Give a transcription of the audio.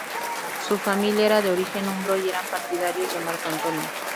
Su familia era de origen umbro y eran partidarios de Marco Antonio.